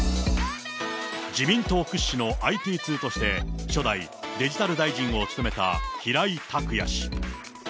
自民党屈指のＩＴ通として、初代デジタル大臣を務めた平井卓也氏。